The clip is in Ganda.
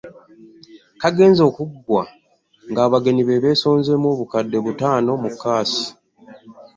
Kaagenze okuggwa ng’abagenyi be beesonzeemu obukadde butaano mu kaasi.